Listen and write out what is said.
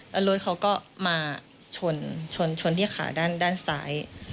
แล้วรถเขาก็มาชนชนที่ขาด้านซ้าย